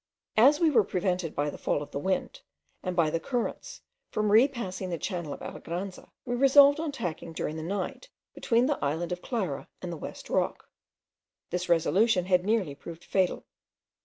As we were prevented by the fall of the wind, and by the currents, from repassing the channel of Alegranza, we resolved on tacking during the night between the island of Clara and the West Rock. This resolution had nearly proved fatal.